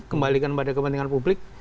kembalikan pada kepentingan publik